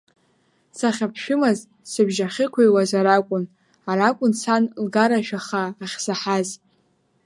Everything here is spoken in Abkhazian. Сахьаԥшәымаз, сыбжьы ахьықәыҩуаз аракәын, аракәын сан лгарашәа хаа ахьсаҳаз.